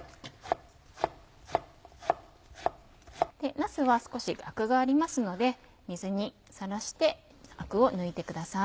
なすは少しアクがありますので水にさらしてアクを抜いてください。